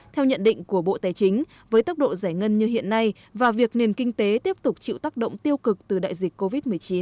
theo nhận định của bộ tài chính với tốc độ giải ngân như hiện nay và việc nền kinh tế tiếp tục chịu tác động tiêu cực từ đại dịch covid một mươi chín